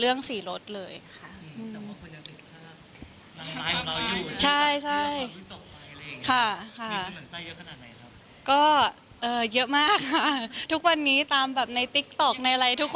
แล้วจากตัวนี้มีอะไรแปลกมากมั้ยครับ